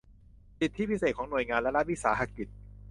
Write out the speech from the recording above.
สิทธิพิเศษของหน่วยงานและรัฐวิสาหกิจ